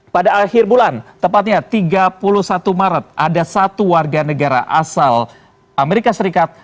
pada akhir bulan tepatnya tiga puluh satu maret ada satu warga negara asal amerika serikat